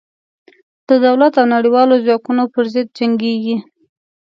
د دولت او نړېوالو ځواکونو پر ضد جنګېږي.